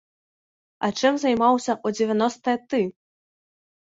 А чым займаўся ў дзевяностыя ты?